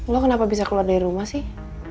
lo kenapa bisa keluar dari rumah sih